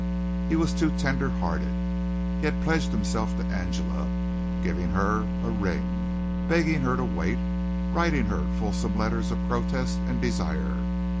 He was too tender hearted. He had pledged himself to Angela, giving her a ring, begging her to wait, writing her fulsome letters of protest and desire.